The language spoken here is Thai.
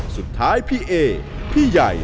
สุดท้ายพี่เอพี่ใหญ่